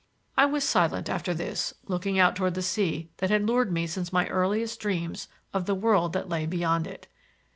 I was silent after this, looking out toward the sea that had lured me since my earliest dreams of the world that lay beyond it.